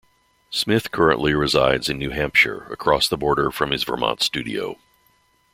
Smith currently resides in New Hampshire across the border from his Vermont studio.